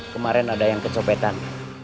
kemarin ada yang kecopetan